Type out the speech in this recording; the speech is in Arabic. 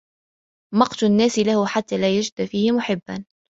مَقْتُ النَّاسِ لَهُ حَتَّى لَا يَجِدَ فِيهِمْ مُحِبًّا